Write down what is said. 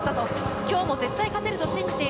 今日も絶対勝てると信じている。